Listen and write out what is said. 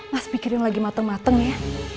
mas pikirin lagi mateng mateng ya